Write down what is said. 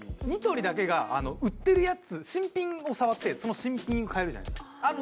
ニトリだけが売ってるやつ新品を触ってその新品を買えるじゃないですか。